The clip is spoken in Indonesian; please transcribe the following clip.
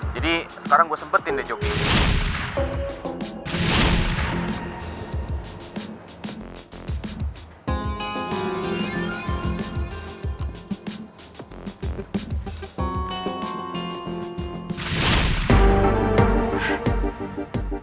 jadi sekarang gue sempetin deh jogging